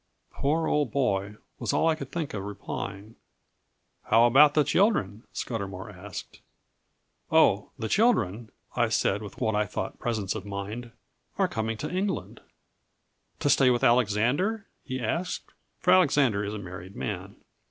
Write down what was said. "Poor old boy!" was all I could think of replying. "How about the children?" Scudamour asked. "Oh, the children," I said, with what I thought presence of mind, "are coming to England." "To stay with Alexander?" he asked; for Alexander is a married man.